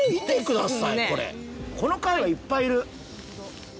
この貝はいっぱいいる。